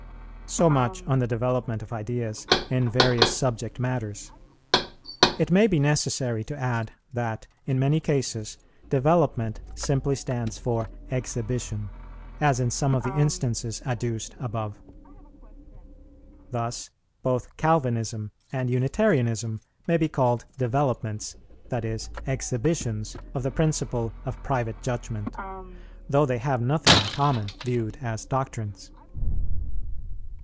So much on the development of ideas in various subject matters: it may be necessary to add that, in many cases, development simply stands for exhibition, as in some of the instances adduced above. Thus both Calvinism and Unitarianism may be called developments, that is, exhibitions, of the principle of Private Judgment, though they have nothing in common, viewed as doctrines.